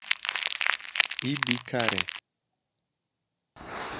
Ibicaré